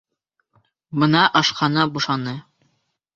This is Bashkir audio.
Бына ашхана бушаны.